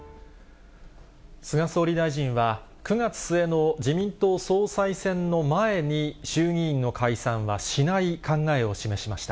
菅総理大臣は、９月末の自民党総裁選の前に衆議院の解散はしない考えを示しました。